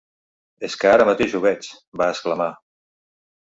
És que ara mateix ho veig!, va exclamar.